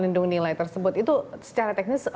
lindungi lai tersebut itu secara teknis